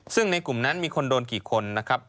ซึ่งในกลุ่มนั้นมีคนโดนกี่คนนะครับ